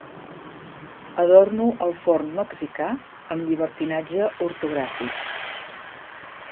Adorno el forn mexicà amb llibertinatge ortogràfic.